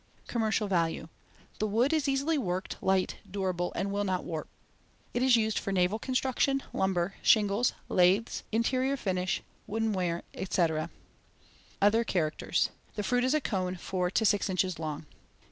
Commercial value: The wood is easily worked, light, durable, and will not warp. It is used for naval construction, lumber, shingles, laths, interior finish, wooden ware, etc. Other characters: The fruit is a cone, four to six inches long.